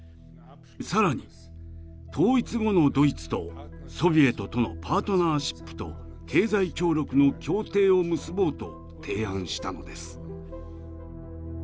更に統一後のドイツとソビエトとのパートナーシップと経済協力の協定を結ぼうと提案したのです。